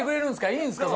いいんですか？